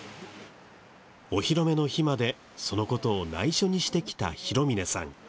お披露目の日までそのことを内緒にしてきた弘峰さん。